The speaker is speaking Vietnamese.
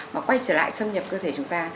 mà quay trở lại xâm nhập cơ thể chúng ta